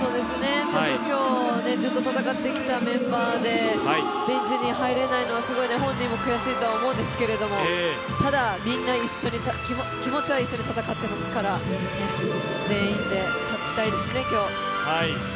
今日、ずっと戦ってきたメンバーでベンチに入れないのは本人も悔しいと思うんですけどただ、みんな気持ちは一緒に戦っていますから、全員で勝ちたいですね、今日。